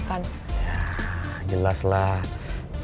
kafe semua sepi